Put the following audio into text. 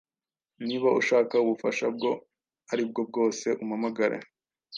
Niba ushaka ubufasha ubwo ari bwo bwose, umpamagare.